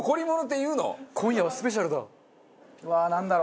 今夜はスペシャルだ。